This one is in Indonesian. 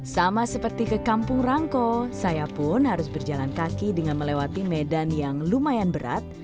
sama seperti ke kampung rangko saya pun harus berjalan kaki dengan melewati medan yang lumayan berat